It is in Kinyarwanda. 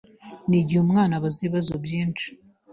Ni igihe umwana abaza ibibazo byinshi